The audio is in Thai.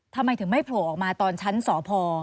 ทำไมถึงไม่โผล่ออกมาตอนชั้นสพ